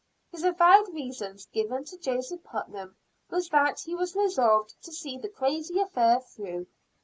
His avowed reason given to Joseph Putnam, was that he was resolved to see the crazy affair through.